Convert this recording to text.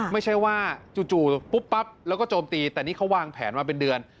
ไม่ใช่ว่าจู่ปุ๊บปั๊บแล้วก็โจมตีแต่นี่เขาวางแผนมาเป็นเดือน